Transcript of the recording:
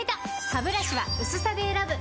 ハブラシは薄さで選ぶ！